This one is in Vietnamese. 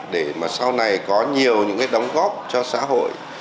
để mà sau này có nhiều những cái đóng góp cho xã hội